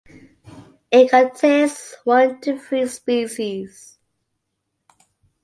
It contains one to three species.